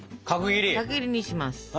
角切りにします。